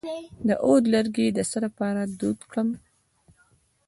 د عود لرګی د څه لپاره دود کړم؟